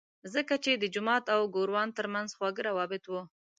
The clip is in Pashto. ځکه چې د جومات او ګوروان ترمنځ خواږه روابط وو.